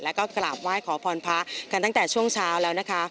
แล้วก็กราบไหว้ขอพรพระกันตั้งแต่ช่วงเช้าแล้วนะคะ